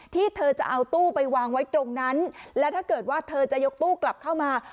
ที่เธอจะเอาตู้ไปวางไว้ตรงนั้นและถ้าเกิดว่าเธอจะยกตู้กลับเข้ามา